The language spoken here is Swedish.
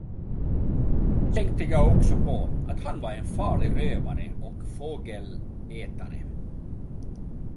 Men så tänkte jag också på att han var en farlig rövare och fågelätare.